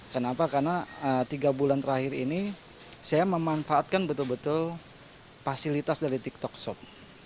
kenapa karena tiga bulan terakhir ini saya memanfaatkan betul betul fasilitas dari tiktok shop